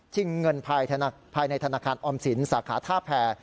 เงินภายในธนาคารออมสินสาขาท่าแพร